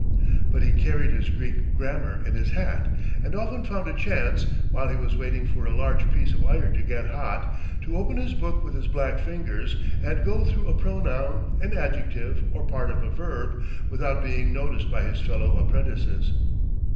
But he carried his Greek grammar in his hat, and often found a chance, while he was waiting for a large piece of iron to get hot, to open his book with his black fingers, and go through a pronoun, an adjective or part of a verb, without being noticed by his fellow apprentices.